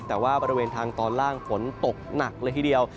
แต่ว่าบริเวณทางตอนล่างฝนตกหนักเลยทีเดียว